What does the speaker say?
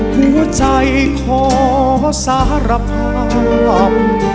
หัวใจขอสารพรรม